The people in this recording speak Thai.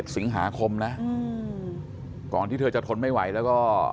สิงหาคมนะก่อนที่เธอจะทนไม่ไหวแล้วก็